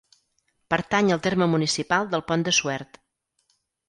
Pertany al terme municipal del Pont de Suert.